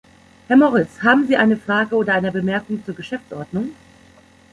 Herr Morris, haben Sie eine Frage oder eine Bemerkung zur Geschäftsordnung?